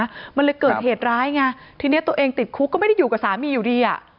ส่วนเหตุร้ายไงทีนี้ตัวเองติดคุกก็ไม่ได้อยู่กับสามีอยู่ดีอ่ะ